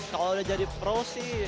kalau udah jadi pro sih